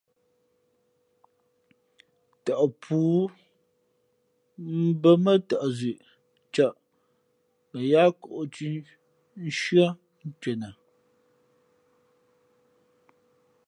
Tαʼ pǔ mbᾱ mά tαʼ zʉ̌ʼ cᾱʼ mα yáá kōʼ thʉ̄ nshʉ́ά ncwenα.